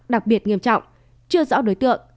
đặc biệt nghiêm trọng chưa rõ đối tượng